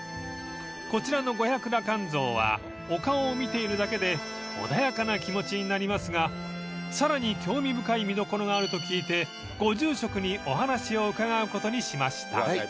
［こちらの五百羅漢像はお顔を見ているだけで穏やかな気持ちになりますがさらに興味深い見どころがあると聞いてご住職にお話を伺うことにしました］